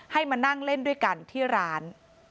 ให้มานั่งเล่นด้วยกันที่ร้าน